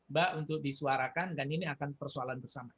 mbak untuk disuarakan dan ini akan persoalan bersama